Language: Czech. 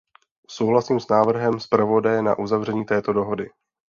Souhlasím s návrhem zpravodaje na uzavření této dohody.